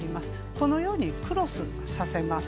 このようにクロスさせます。